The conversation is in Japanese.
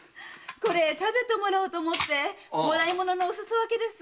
これ食べてもらおうと思ってもらい物のおすそ分けです。